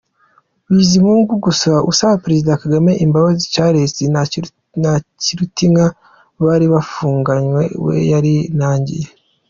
Bizimungu gusa usaba Perezida Kagame imbabazi ; Charles Ntakirutinka bari bafunganywe we yarinangiye.